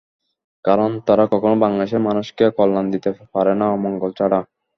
কারণ, তারা কখনো বাংলাদেশের মানুষকে কল্যাণ দিতে পারে না, অমঙ্গল ছাড়া।